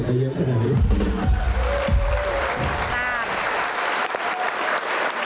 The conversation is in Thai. ขอบคุณครับ